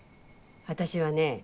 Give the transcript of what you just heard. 私はね